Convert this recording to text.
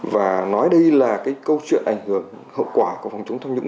và nói đây là cái câu chuyện ảnh hưởng hậu quả của phòng chống tham nhũng